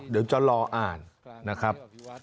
อ๋อเดี๋ยวจ้อนรออ่านนะครับ